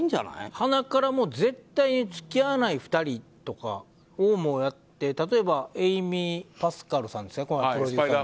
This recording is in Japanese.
はなから絶対付き合わない２人とかをやって例えばエイミー・パスカルさんですか。